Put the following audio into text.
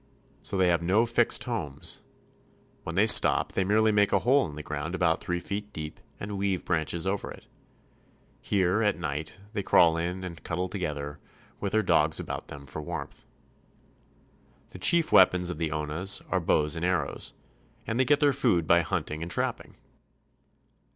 So they have no fixed homes. When they stop, they merely make a hole in the ground about three feet deep and weave branches over it. Here PATAGONIA. 167 at night they crawl in and cuddle together, with their dogs about them for warmth. The chief weapons of the Onas are bows and arrows, and they get their food by hunting and trapping.